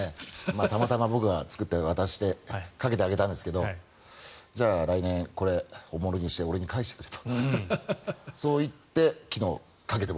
たまたま僕が作って渡してかけてあげたんですけどじゃあ来年、これを本物にして俺に返してくれと。